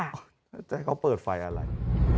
อ๋อมันแบบว่าเขาเปิดไฟอะไร